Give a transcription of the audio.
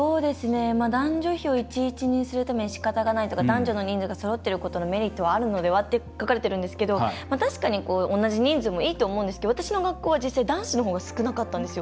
男女比を１：１にするためにしかたがないとか男女の人数がそろっていることのメリットはあるのではって書かれているんですが確かに同じ人数もいいと思うんですけど私の学校は実際男子のほうが少なかったんですよ。